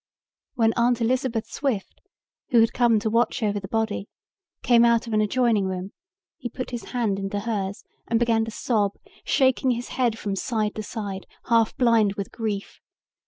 When Aunt Elizabeth Swift, who had come to watch over the body, came out of an adjoining room he put his hand into hers and began to sob, shaking his head from side to side, half blind with grief.